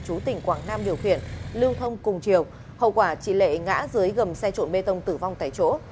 chú tỉnh quảng nam điều khiển lưu thông cùng chiều hậu quả chị lệ ngã dưới gầm xe trộn bê tông tử vong tại chỗ